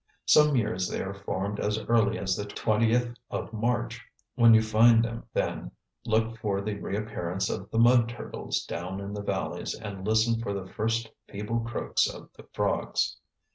Some years they are formed as early as the twentieth of March. When you find them then look for the re appearance of the mud turtles down in the valleys and listen for the first feeble croaks of the frogs.